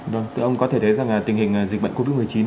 vâng thưa ông có thể thấy rằng là tình hình dịch bệnh covid một mươi chín